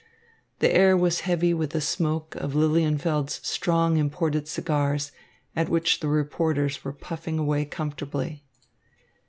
The air was heavy with the smoke of Lilienfeld's strong imported cigars, at which the reporters were puffing away comfortably.